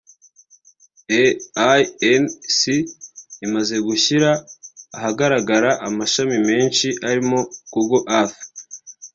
Inc imaze gushyira ahagaragara amashami menshi arimo google earth